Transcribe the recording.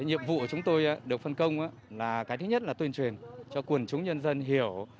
nhiệm vụ của chúng tôi được phân công là cái thứ nhất là tuyên truyền cho quần chúng nhân dân hiểu